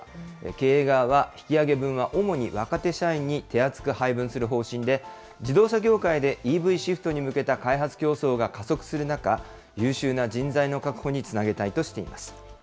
経営側は引き上げ分は主に若手社員に手厚く配分する方針で、自動車業界でＥＶシフトに向けた開発競争が加速する中、優秀な人材の確保につなげたいとしています。